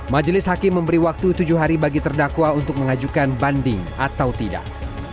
majelis hakim memberi waktu tujuh hari bagi terdakwa untuk mengajukan banding atau tidak